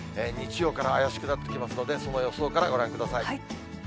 日曜からは怪しくなってきますので、その予想からご覧ください。